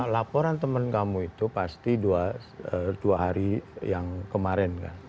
laporan teman kamu itu pasti dua hari yang kemarin kan